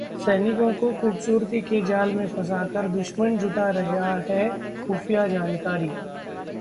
सैनिकों को खूबसूरती के जाल में फंसाकर दुश्मन जुटा रहा है खुफिया जानकारी